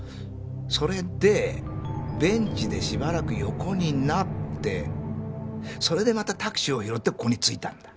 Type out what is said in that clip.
それでベンチでしばらく横になってそれでまたタクシーを拾ってここに着いたんだ。